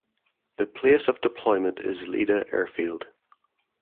The place of deployment is Lida Airfield.